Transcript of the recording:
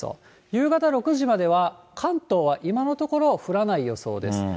夕方６時までは、関東は今のところ降らない予想です。